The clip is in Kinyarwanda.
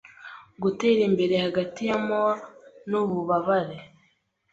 Gutera imbere hagati ya moor nububabare